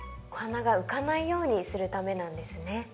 お花が浮かないようにするためなんですね。